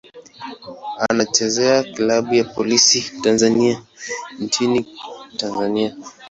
Anachezea klabu ya Polisi Tanzania nchini Tanzania.